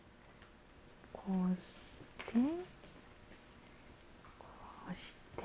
こうしてこうして。